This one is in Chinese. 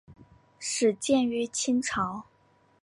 始建于清朝。